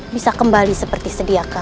bisa kembali seperti sediakala